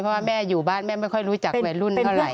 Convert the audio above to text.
เพราะว่าแม่อยู่บ้านแม่ไม่ค่อยรู้จักวัยรุ่นเท่าไหร